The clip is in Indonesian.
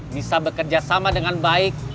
bisa bekerja sama dengan baik